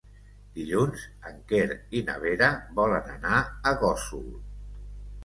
Dilluns en Quer i na Vera volen anar a Gósol.